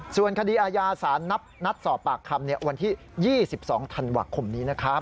ส่วนคดีอาญาสารนัดสอบปากคำวันที่๒๒ธันวาคมนี้นะครับ